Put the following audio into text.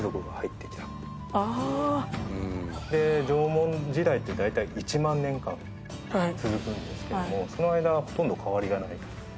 縄文時代って大体１万年間続くんですけどもその間ほとんど変わりがないと。